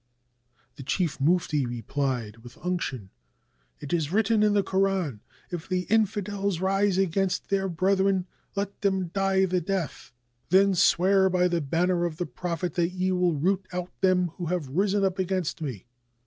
" The chief mufti replied with unction: "It is written in the Kor^n, 'If the infidels rise against their brethren, let them die the death!'" "Then swear by the banner of the Prophet that ye will root out them who have risen up against me!"